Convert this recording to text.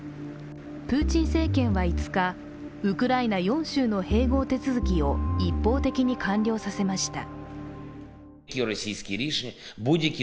プーチン政権は５日、ウクライナ４州の併合手続きを一方的に完了させました。